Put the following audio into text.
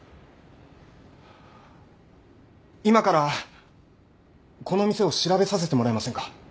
今からこの店を調べさせてもらえませんか？